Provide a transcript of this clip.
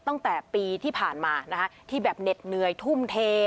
ตั้งแต่ปีที่ผ่านมานะคะที่แบบเหน็ดเหนื่อยทุ่มเท